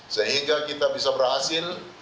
sehingga kita bisa berhasil